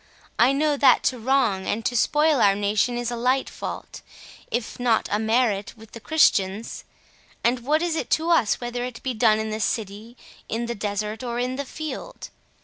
I know that to wrong and to spoil our nation is a light fault, if not a merit, with the Christians; and what is it to us whether it be done in the city, in the desert, or in the field?